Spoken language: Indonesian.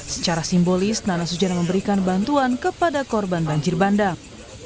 secara simbolis nana sujana memberikan bantuan kepada korban banjir bandang